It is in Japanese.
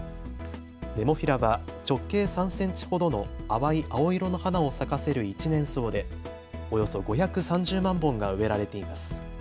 ネモフィラは直径３センチほどの淡い青色の花を咲かせる一年草でおよそ５３０万本が植えられています。